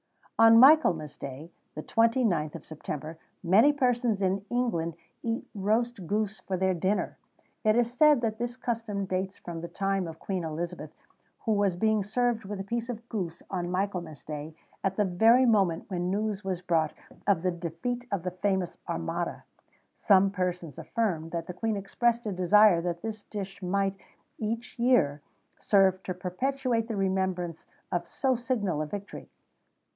On Michaelmas Day, the 29th of September, many persons in England eat roast goose for their dinner. It is said that this custom dates from the time of Queen Elizabeth, who was being served with a piece of goose on Michaelmas Day, at the very moment when news was brought of the defeat of the famous Armada. Some persons affirm that the Queen expressed a desire that this dish might, each year, serve to perpetuate the remembrance of so signal a victory.